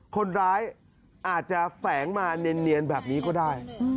คนร้ายอาจจะแฝงมาเนียนแบบนี้ก็ได้